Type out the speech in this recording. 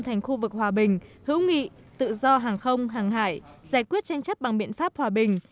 thành khu vực hòa bình hữu nghị tự do hàng không hàng hải giải quyết tranh chấp bằng biện pháp hòa bình